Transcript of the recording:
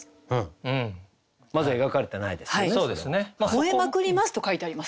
「吠えまくります」と書いてあります。